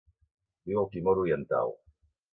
Viu al Timor Oriental.